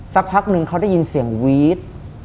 สักพักนึงเขาได้ยินเสียงวีด